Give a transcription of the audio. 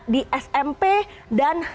di smp dan